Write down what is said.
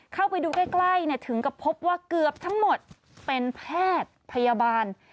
เข้าไปดูใกล้ถึงกับพบว่าเกือบทั้งหมดเป็นแพทย์พยาบาล